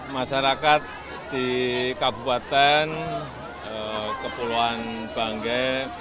masyarakat di kabupaten kepulauan bangge